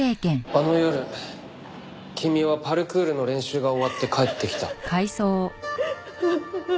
あの夜君はパルクールの練習が終わって帰ってきた。